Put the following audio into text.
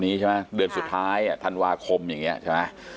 ใช่ไหมเดือนสุดท้ายธันวาคมอย่างนี้ใช่ไหม